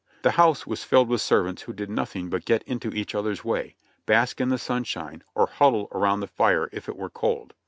The house was filled with servants who did nothing but get into each other's way, bask in the sunshine, or huddle around the fire if it were cold.